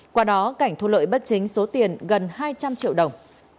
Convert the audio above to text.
qua đó cảnh thu lợi bất chính số tiền gần hai trăm linh triệu đồng